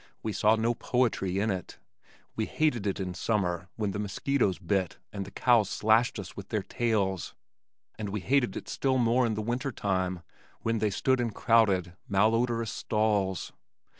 We saw no poetry in it. We hated it in summer when the mosquitoes bit and the cows slashed us with their tails, and we hated it still more in the winter time when they stood in crowded malodorous stalls.